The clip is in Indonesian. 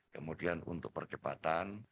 kemudian untuk percepatan